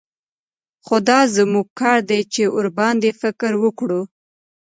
خو دا زموږ کار دى چې ورباندې فکر وکړو.